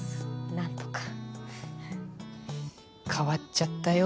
何とか変わっちゃったよ